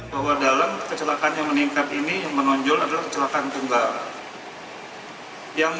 bahwa dalam kecelakaan yang meningkat ini yang menonjol adalah kecelakaan tunggal